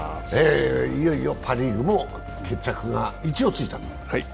いよいよパ・リーグも決着が一応ついたと。